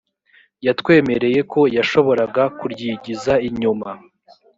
yatwemereye ko yashoboraga kuryigiza inyuma